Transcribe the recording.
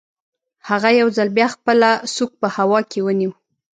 هغه یو ځل بیا خپله سوک په هوا کې ونیو